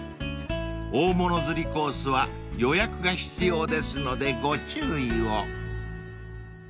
［大物釣りコースは予約が必要ですのでご注意を］